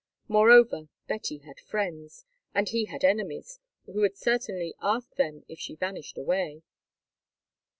Moreover, Betty had friends, and he had enemies who would certainly ask them if she vanished away.